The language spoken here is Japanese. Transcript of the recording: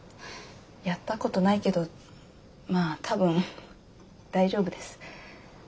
やったことないけどまあ多分大丈夫です。